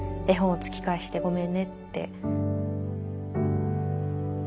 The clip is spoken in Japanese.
絵本を突き返してごめんねって。